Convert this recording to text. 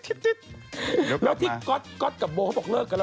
แล้วที่ก๊อตกกับโบเขาบอกเลิกกันแล้ว